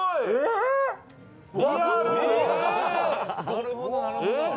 「なるほどなるほど」えっ！